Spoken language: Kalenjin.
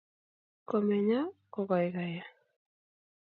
Komenya, kogaiga-a.